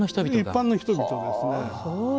一般の人々ですね。